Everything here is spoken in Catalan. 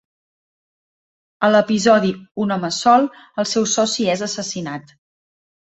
A l'episodi "Un home sol" el seu soci és assassinat.